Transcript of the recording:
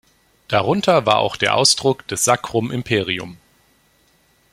Darunter war auch der Ausdruck des "sacrum imperium".